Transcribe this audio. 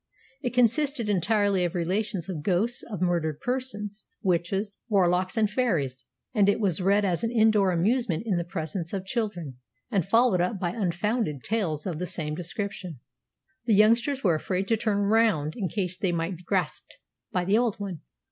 It consisted entirely of relations of ghosts of murdered persons, witches, warlocks, and fairies; and as it was read as an indoor amusement in the presence of children, and followed up by unfounded tales of the same description, the youngsters were afraid to turn round in case they might be grasped by the "Old One."